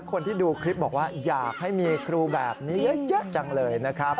คนที่ดูคลิปบอกว่าอยากให้มีครูแบบนี้เยอะจังเลยนะครับ